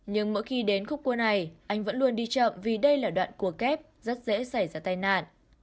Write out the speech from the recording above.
nhưng mỗi khi đến khúc cua này anh vẫn luôn đi chậm vì đây là đoạn cua kép rất dễ xảy ra tai nạn